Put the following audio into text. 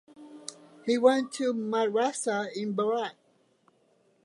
He went to madrasa in Berat.